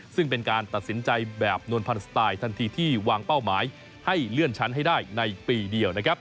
ซึ่งเป็นการตัดสินใจแบบนวลพันธไตล์ทันทีที่วางเป้าหมายให้เลื่อนชั้นให้ได้ในปีเดียวนะครับ